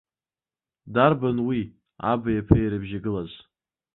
Дарбан уи, аби ԥеи ирыбжьагылаз?